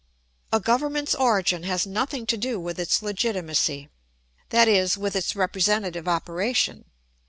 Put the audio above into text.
A government's origin has nothing to do with its legitimacy; that is, with its representative operation.